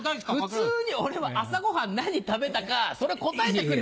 普通に俺は朝ご飯何食べたかそれを答えてくれればいい。